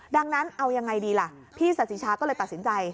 ดังนั้นเอายังไงดีล่ะพี่สาธิชาก็เลยตัดสินใจ